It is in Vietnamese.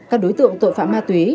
các đối tượng tội phạm ma túy